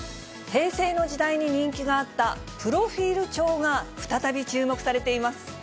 平成の時代に人気があったプロフィール帳が再び注目されています。